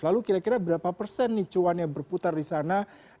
lalu kira kira berapa persen nih cuan yang berputar di sana